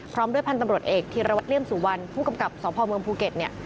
พร้อมด้วยพันธ์ตำหรับเอกธิรวรรษเลี้ยนสู่วันผู้กำกับกับสองพลเมืองภูเก็ตเนี้ย